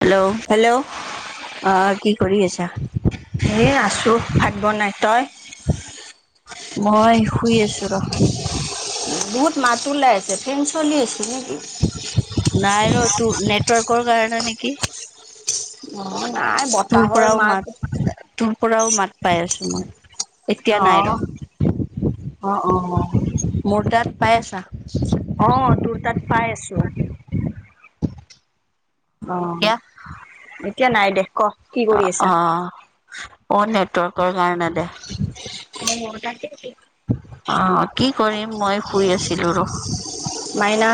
Hello! অ', কি কৰি আছা? এ, আছোঁ ভাত বনাই তই? মই শুই আছোঁ ৰহ। বহুত মাত ওলাই আছে ফেন চলি আছে নেকি? নাই ৰ' তোৰ নেটৱৰ্কৰ কাৰণে নেকি! অ', নাই তোৰ পৰাও মাত, তোৰ পৰাও মাত পাই আছোঁ মই। এতিয়া নাই ৰ অ', অ', অ', অ'। মোৰ তাত পাই আছা? অ, তোৰ তাত পাই আছোঁ। অ, এতিয়া এতিয়া নাই দে, ক'। কি অ, কৰি আছা অ। অ' নেটৱৰ্কৰ কাৰণে দে। [unintelligible] আহ কি কৰিম, মই শুই আছিলো ৰহ। মাইনা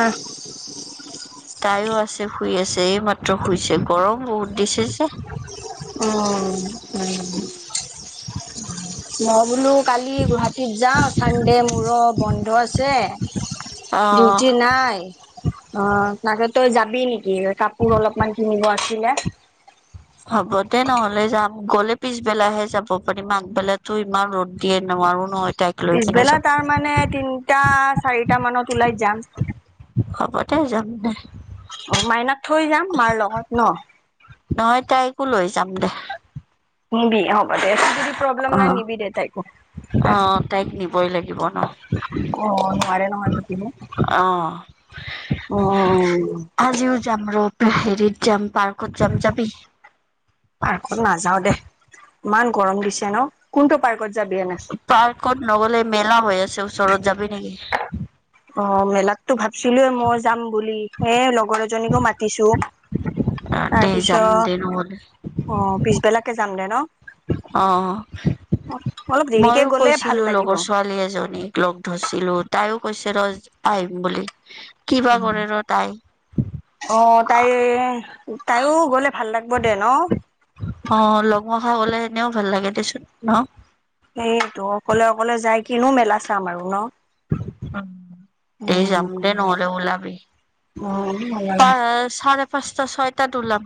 তাইও আছে, শুই আছে। এইমাত্ৰ শুইছে। গৰম বহুত দিছে যে। অহ, উম। ম বোলো কালি গুৱাহাটীত যাওঁ, চানডে মোৰো বন্ধ আছে। অ ডিউটি নাই। অ, তাকে তই যাবি নেকি? কাপোৰ অলপমান কিনিব আছিলে। হ'ব দে নহলে যাম। গ'লে পিছবেলাহে যাব পাৰিম, আগবেলাটো ইমান ৰ'দ দিয়ে, নোৱাৰো নহয়। তাইক লৈ কেনে পিছবেলা যাব। তাৰ মানে, তিনটা, চাৰিটা মানত ওলাই যাম। হ'ব দে, যাম দে। অ মাইনাক থৈ যাম, মাৰ লগত ন? নহয়, তাইকো লৈ যাম দে। নিবি অ হ'ব দে। প্ৰব্লেম অ নাই নিবি দে তাইকো। অ তাইক নিবই লাগিব ন অ', নোৱাৰে নহয় অ থাকিব। উম আজিও যাম ৰ হেৰিত যাম, পাৰ্কত যাম। যাবি? পাৰ্কত নাযাও দে। ইমান গৰম দিছে ন? কোনটো পাৰ্কত যাবি এনে? পাৰ্কত নগলে, মেলা হৈ আছে ওচৰত। যাবি নেকি? অ মেলাতটো ভাবছিলো এ মই যাম বুলি। এ, লগৰ এজনীকো মাতিছো। তাৰ দে যাম দে পিছত, নহলে অ পিছবেলাকে যাম দে ন? অ। অলপ দেৰিকে ময়ো গ'লে ভাল কৈছিলো লাগিব লগৰ ছোৱালী এজনীক। লগ ধৰিছিলো, তাইও কৈছে ৰ আহিম বুলি। কিবা কৰে ৰ তাই অ তাই, তাইও গলে ভাল লাগিব দে ন? অ লগমখা হ'লে এনেও ভাল লাগে। দেচোন ন? সেটো, অকলে অকলে যাই কিনো মেলা চাম আৰু ন? [unintelligible] এই উম যাম দে নহ'লে, ওলাবি। পা চাৰে পাঁচটা, ছয়টাত ওলাম।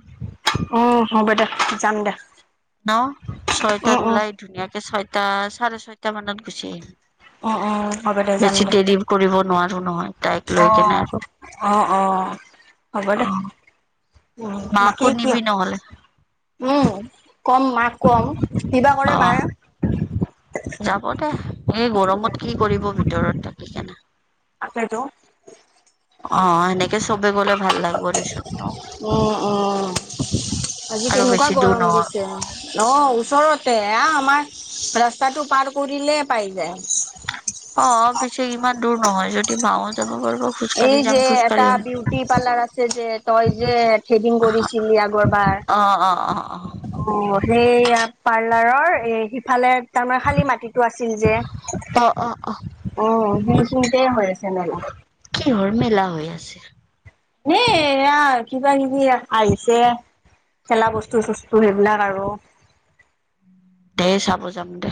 উম হ'ব দে, যাম দে। ন উম ছয়টাত উম ওলাই ধুনীয়াকে ছয়টা, চাৰে ছয়টা মানত গুচি আহিম। উম উম হ'ব দে যাম বেছি দে দেৰি কৰিব নোৱাৰো নহয়, তাইক অ লৈ কেনে আৰু। অ অ, হ'ব অ দে, উ মাকো বাকী কিয় নিবি নহ'লে উম, কম মাক কম। কিবা অ কৰে মায়ে! যাব দে। এই গৰমত কি কৰিব ভিতৰত থাকি কেনে! তাকেইটো অ, সেনেকে চবে গ'লে ভাল লাগব দেছোন। উম উম আজি আৰু কেনেকুৱা বেছি দূৰ গৰম দিছে নহয়। অ ওচৰতে, আহ আমাৰ ৰাস্তাটো পাৰ কৰিলে পাই যায়। অ। পিছে ইমান দূৰ নহয় যদি মাও যাবা পাৰব। এই যে এটা বিউটি পাৰ্লাৰ আছে যে, তই যে থ্ৰেডিং কৰিছিলি আগৰবাৰ অ, অ, অ। অ সেইয়া পাৰ্লাৰৰ এ সিফালে তাৰমানে খালী মাটিতো আছিল যে, অ অ অ অ অ সেইখিনতে হৈ আছে মে। কিহৰ মেলা হৈ আছে? এ এয়া কিবা কিবি আহিছে। খেলা বস্তু চস্তু সেইবিলাক আৰু। দেই চাব যাম দে।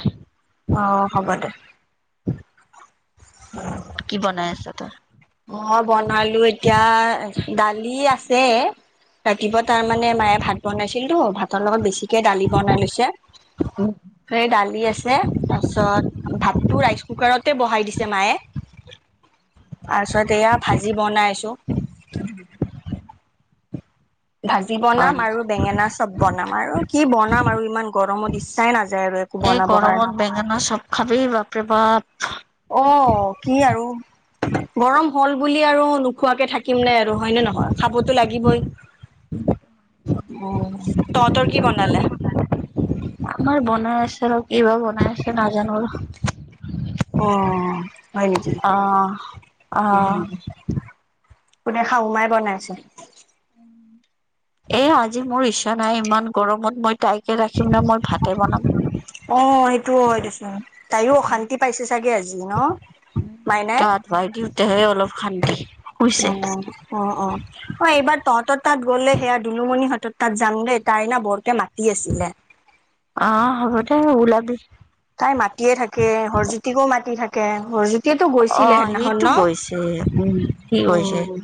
অ', হ'ব দে। উম। কি বনাই আছ তই? মই বনালো এতিয়া দালি আছে। ৰাতিপুৱা তাৰ মানে মায়ে ভাত বনাইছিলতো ভাতৰ লগত বেছিকে দালি বনাই লৈছে। স দালি আছে তাৰ পিছত ভাতটো ৰাইচ কুকাৰতে বহাই দিছে মায়ে। তাৰ পিছত এয়া ভাজি বনাইছো। ভাজি হয় বনাম নেকি আৰু বেঙেনা চব বনাম আৰু কি বনাম আৰু ইমান গৰমত ইচ্ছাই নাযায় আৰু একো এই বনাব কাৰণে গৰমত বেঙেনা চপ খাবি বাপৰে বাপ। অ', কি আৰু গৰম হ'ল বুলি আৰু নোখোৱাকে থাকিম নাই আৰু হয় নে নহয় খাবতো লাগিবই। উম, তহতৰ কি বনালে? আমাৰ বনাই আছে ৰ' কি বা বনাই আছে নাজানো আৰু। অ', হয় নেকি অ অ উম। কোনে শাহুমাই বনাইছে? এ আজি মোৰ ইচ্ছা নাই ইমান গৰমত মই তাইকে ৰাখিম নে মই ভাতে বনাম। অ', সেইটোও হয় দেচোন তাইো অশান্তি পাইছে চাগে আজি ন? মাইনাই? গা ধুৱাই দিওঁতেহে অলপ শান্তি অ শুইছে। অ', অ'। অ', এইবাৰ তহতৰ তাত গ'লে সেয়া দুলুমণি হতৰ তাত যাম দেই তাইনা বৰকে মাতি আছিলে। অ', হ'ব দে ওলাবি। তাই মাটিয়ে থাকে হৰজ্যোতিকো মাতি থাকে হৰজ্যোতি এতিয়াতো অ গৈছিলে সেইদিনাখন সিটো গৈছে উম সি ন গৈছে উম।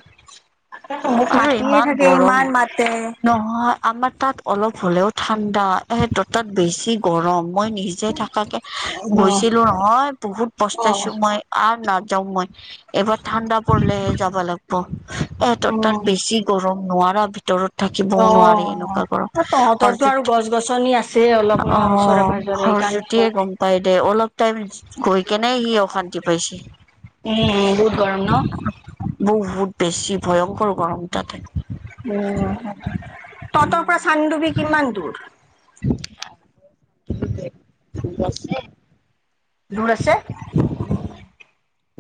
মোক আৰু মাতিয়ে ইমান থাকে গৰম ইমান মাতে। নহয় আমাৰ তাত অলপ হ'লেও ঠাণ্ডা ত তাত বেছি গৰম মই নিজ যে থাকাকে অ গৈছিলো নহয় বহুত অ পস্তাইছো মই আৰু নাযাও মই। এবাৰ ঠাণ্ডা পলেহে যাব লাগিব এ ত তাত উম বেছি গৰম নোৱাৰা ভিতৰত থাকিবও অ নোৱাৰে এনেকুৱা গৰম তহঁতৰতো আৰু গছ গছনি আছে অলপ যত ন ওচৰে অ'। পাজৰে হৰ সেইকাৰণে জ্যোতিয়ে গম পাই দে অলপ টাইম গৈ কেনে সি অশান্তি পাইছে। উম, বহুত গৰম ন? বহুত বেছি ভয়ংকৰ গৰম ততে। উম, উম তহৰ পৰা চান্দুবি কিমান দূৰ? [unintelligible] দূৰ আছে।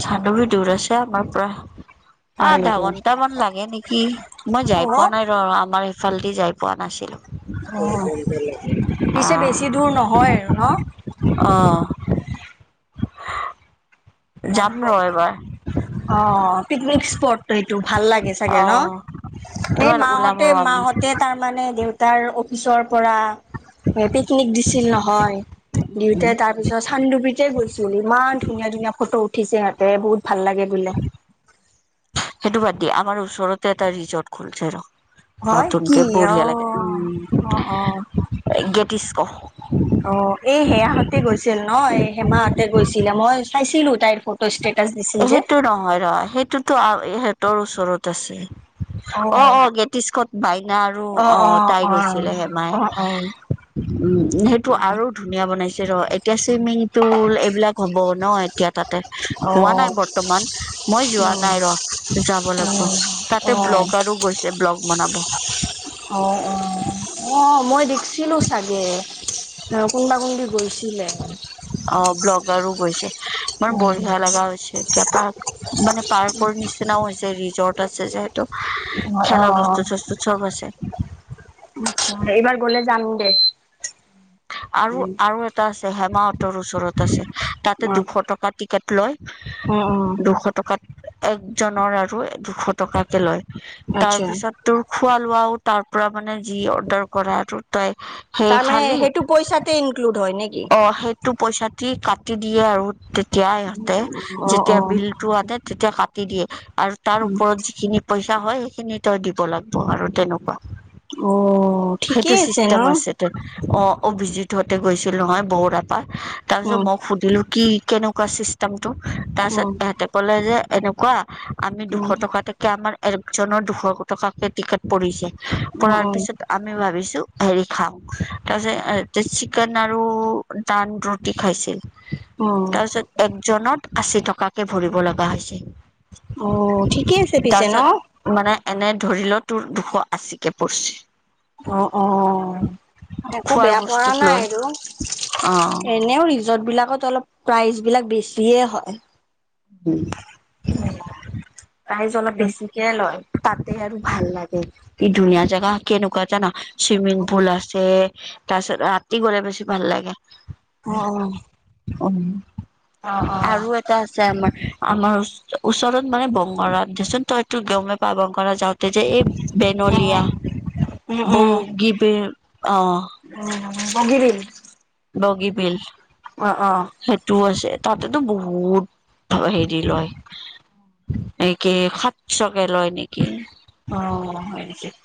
চান্দুবি দূৰ আছে আমাৰ পৰা। হয় আধা নেকি ঘন্ট মান লাগে নেকি মই যাই পোৱা নাই ৰ অ আমাৰ সফালেদি যাই পোৱা নাছিলো অ পিছে অ'। বেছি দূৰ নহয় আৰু ন? অ'। যাম ৰ এইবাৰ। অ', পিকনিক স্পট এইটো ভাল লাগে অ চাগে ন? এই এবাৰ ওলাম মাহঁতে ৰ আমি মাহঁতে তাৰমানে দেউতাৰ অফিচৰ পৰা পিকনিক দিছিল নহয়। দিওঁতে তাৰ পিছত চান্দুবিতে গৈছিল ইমান ধুনীয়া ধুনীয়া ফটো উঠিছে সিহঁতে বহুত ভাল লাগে বোলে। সেইটো বাদ দিয় আমাৰ ওচৰতে এটা ৰিজৰ্ট খুলছে ৰ। হয় কি নতুনকে অ বঢ়িয়া লাগে অ অ উম, গেটিছক'। অ', এই সেয়াহঁতে গৈছিল ন এই সেমাহঁতে গৈছিলে মই চাইছিলো তাইৰ ফটো। ষ্টেটাচ দিছিল যে। সেইটো নহয় ৰ সেইটো ইহঁতৰ ওচৰত আছে অ', অ', গেতিছক'ত বাইনা আৰু অ আহ অ তাই গৈছিলে হেমাই। অ অ অ উম, সেইটো আৰু ধুনীয়া বনাইছে। ৰ এতিয়া চুইমিং পুল এইবিলাক হ'ব ন এতিয়া তাত। হোৱা অ', নাই বৰ্তমান মই যোৱা উম, নাই ৰ। যাব উম, লাগিব তাতে অ', ব্লগ আৰু গৈছে ব্লগ বনাব। অ', অ', অ' মই দেখছিলো চাগে অ' কোনোবা কোনব। গৈছিলিলেন। অ' ব্লগাৰো গৈছে ইমান উম, বঢ়িয়া লগা হৈছে এতিয়া পাৰ। মানে পাৰ্কৰ নিচিনাও হৈছে ৰিজৰ্ট আছে যে। অ', খেলা অ', বস্তু চস্তু চব আছে। এইবাৰ গলে যাম দে। আৰু উম, আৰু এটা আছে হেমাহতৰ ওচৰত আছে তাতে অ', দুশ টকা। কেটলয় উম, উম দুশ টকাত একজনৰ আৰু দুশ টকাকে লয় আচ্ছা তাৰপিছত তোৰ খোৱা লোৱাও তাৰ পৰা মানে যি অৰ্ডাৰ কৰা আৰু তই সেই তাৰমানে খালি সেইটো পইচাতে ইনক্লুড হয় নেকি অ সেইটো পইচাতি কাটি দিয়ে আৰু তেতিয়া ইহঁতে অ', যেতিয়া অ', বিল আনে তেতিয়া কাটি দিয়ে আৰু তাৰ উম, ওপৰত যিখিনি পইচা হয় সেইখিনি তই দিব লাগিব আৰু তেনেকুৱা। অ' সেইটো ঠিকেই আছে ন চিষ্টেম অ' অভিজিত হতে গৈছিল নহয় বৰুৰাৰ পৰা তাৰ পিছত উম, মই সুধিলো কি কেনেকা চিষ্টেমটো তাৰপিছত উম, এহতে ক'লে যে এনেকুৱা আমি দুশ উম, টকাতে আমাৰ একজনৰ দুশ টকাকে টিকেট পৰিছে উম, পৰাৰ উম, পিছত আমি ভাবিছো হেৰি খাওঁ তাৰপিছত চিকেন আৰু নান ৰুটি খাইছিল উম, তাৰপিছত এক জনত আশী টকাকে ভৰিব লগা হৈছে। অ' ঠিকেই আছে পিছে ন তাৰপিছত মানে এনে ধৰি ল তোৰ দুশ আশী কে পৰিছে অ' অ' একো খোৱাৰ বেয়া কৰা বস্তুক নাই লৈ আৰু অ এনেও ৰিজৰ্ট বিলাকত অলপ প্ৰাইজ বিলাক বেছিয়ে হয়। উম [inaudible] প্ৰাইজ অলপ বেছিকে লয়। তাতে আৰু ভাল লাগে কি ধুনীয়া জেগা কেনেকুৱা জান চুইমিং পুল আছে তাৰপিছত ৰাতি গলে বেছি ভাল লাগে। অ' অহ অ'। আৰু আছে আমাৰ আমাৰ ওচৰত মানে বংগৰা দেচোন তইতো গমে পা বংগৰা যাওঁ যে এই বেনলিয়া উম, উম, বহ গিভ অ' উ বগিৰি [unintelligible] বগীবিল। অ' অ' সেইটোও আছে তাতেতো বহুত হেৰি লয়। নেকি সাতশকে লয় নেকি অ',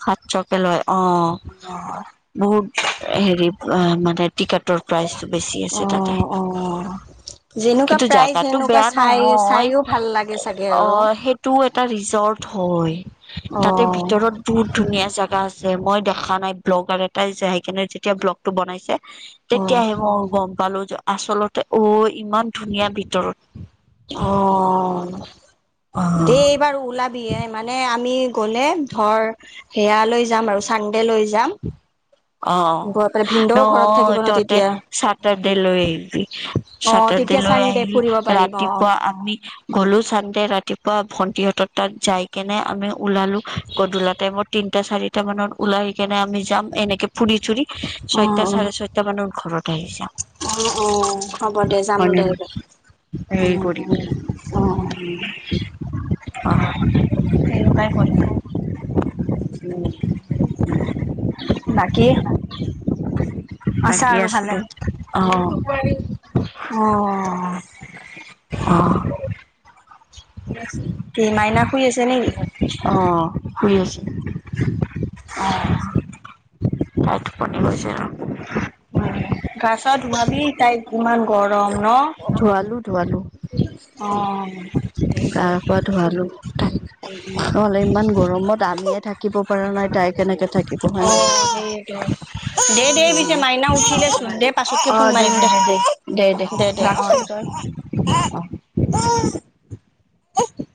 সাতশকে লয় অ'। অ'। বহুত হেৰি মানে টিকেটৰ প্ৰাইচটো বেছি আছে তাতে। অ', অ', যেনেকুৱা কিন্তু প্ৰাইজ জাগাতো সেনেকুৱা বেয়া চাই নহয় চাইও ভাল লাগে চাগে আৰু। অ' সেই টো এটা ৰিজৰ্ট হয় তাতে অ', ভিতৰত বহুত ধুনীয়া জেগা আছে মই দেখা নাই ব্লগাৰ এটাই জাইকিনে যেতিয়া ব্লগটো বনাইছে অ', তেতিয়াহে মই গম পালো যে আচলতে অ' ইমান ধুনীয়া ভিতৰত অ' অ দেই বাৰু ওলাবি এ মানে আমি গ'লে ধৰ সেয়া লৈ যাম আৰু চান্ডে লৈ যাম [inaudible] অ' গৈ পেলাই ন ভিনদেউ ঘৰত থাকিব ন তহতে তেতিয়া। ছাতাৰ ডে লয় আহবি। অ সাতাৰ ডে তেতিয়া লৈ চানডে আহিবি ফুৰিব পাৰিব অ ৰাতিপুৱা আমি গ'লো চানদে ৰাতিপুৱা ভণ্টিহঁতৰ তাত যাই কেনে আমি ওলালো গধূলা টাইমত তিনটা চাৰি ছটা মানত ওলাই আহি কেনে আমি যাম এনেকে পুৰি চুৰি ছয়টা চাৰে ছয়টা মানৰ ঘৰত আহি যাম। উম উম হ'ব দে যাম হয় নে দে। নহয় হেৰি কৰিম উ অ [unintelligible] [unintelligible] সেনেকুৱাই কৰিম অ' বাকী আছা বাকি আৰু আছো ভালে দে অ অ' অ কি মাইনা শুই আছে নেকি? অ' শুই আছে। অ'। পনিব হৈছে। গাছত ধোমাবি তাই ইমান জোৱলু জোৱালু। হয়। গা পা ধুৱালোলে ইমান গৰমত আলিয়ে থাকে। থাকিব পৰা নাই তাই কেনেকে থাকিব অ হয়। সেইয়েতো দে দে পিছে মাইনা উঠিলেচোন দে পাছতকে ফোন অ' দে মাৰিম দে দে দে। দে দে ৰাখছোন তই